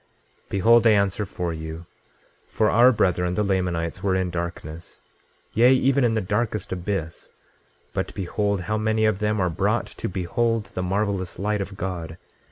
26:3 Behold, I answer for you; for our brethren, the Lamanites, were in darkness, yea, even in the darkest abyss, but behold, how many of them are brought to behold the marvelous light of God!